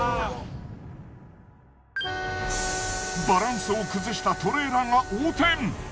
バランスを崩したトレーラーが横転。